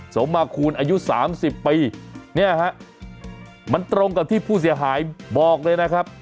สมมาคูณอายุ๓๐ปีเนี่ยฮะมันตรงกับที่ผู้เสียหายบอกเลยนะครับ